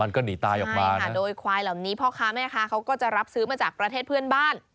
มันก็หนีตายออกมาโดยควายเหล่านี้พ่อค้าแม่ค้าเขาก็จะรับซื้อมาจากประเทศเพื่อนบ้าน